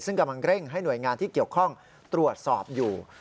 ซึ่งกำลังเร่งให้หน่วยงานที่เกี่ยวข้องตรวจสอบอยู่